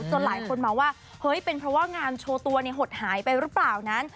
หลายคนมองว่าเฮ้ยเป็นเพราะว่างานโชว์ตัวหดหายไปหรือเปล่านั้น